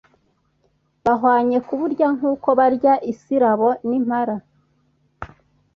bahwanye kuburya nk uko barya isirabo n impara